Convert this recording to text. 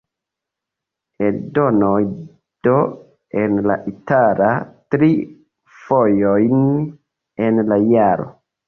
Eldonoj D, en la itala, tri fojojn en la jaro.